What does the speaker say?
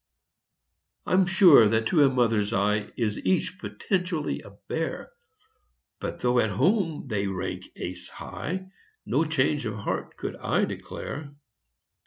I'm sure that to a mother's eye Is each potentially a bear. But though at home they rank ace high, No change of heart could I declare.